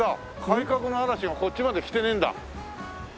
改革の嵐がこっちまで来てねえんだ。